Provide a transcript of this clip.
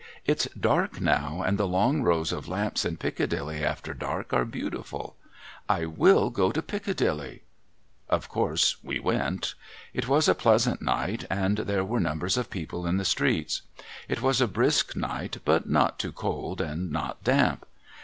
' It's dark now, and the long rows of lamps in Piccadilly after dark are beautiful. I will go to Piccadilly !' Of course we went. It was a pleasant night, and there were numbers of people in the streets. It was a brisk night, but not too cold, and not damp.